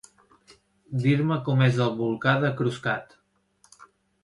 Dir-me com és el volcà de Croscat.